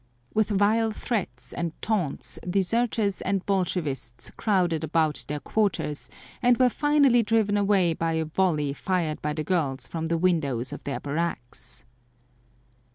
With vile threats and taunts deserters and Bolshevists crowded about their quarters and were finally driven away by a volley fired by the girls from the windows of their barracks.